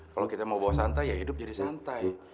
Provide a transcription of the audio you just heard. kalau kita mau bawa santai ya hidup jadi santai